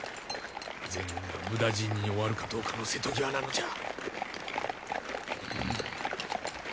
全軍が無駄死にに終わるかどうかの瀬戸際なのじゃ。